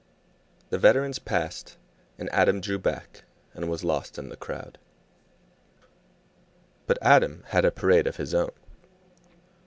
The veterans passed, and Adam drew back and was lost in the crowd. But Adam had a parade of his own.